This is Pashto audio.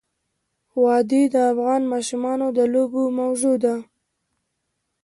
وادي د افغان ماشومانو د لوبو موضوع ده.